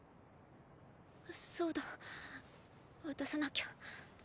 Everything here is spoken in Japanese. そうだわたさなきゃ。